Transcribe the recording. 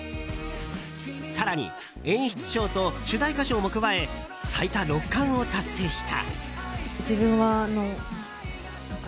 更に、演出賞と主題歌賞も加え最多６冠を達成した。